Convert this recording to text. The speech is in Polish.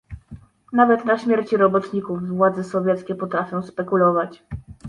"Nawet na śmierci robotników władze sowieckie potrafią spekulować."